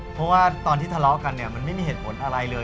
เพราะว่าตอนที่ทะเลาะกันเนี่ยมันไม่มีเหตุผลอะไรเลย